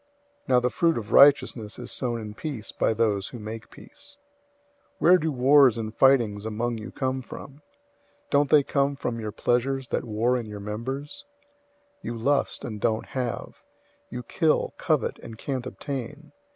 003:018 Now the fruit of righteousness is sown in peace by those who make peace. 004:001 Where do wars and fightings among you come from? Don't they come from your pleasures that war in your members? 004:002 You lust, and don't have. You kill, covet, and can't obtain.